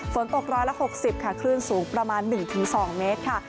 ฝนตกร้อยละ๖๐ค่ะคลื่นสูงประมาณ๑๒เมตรค่ะ